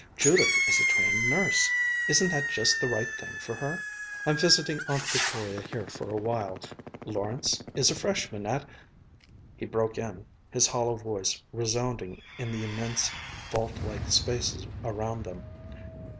"Judith is a trained nurse; isn't that just the right thing for her? I'm visiting Aunt Victoria here for a while. Lawrence is a Freshman at...." He broke in, his hollow voice resounding in the immense, vault like spaces around them.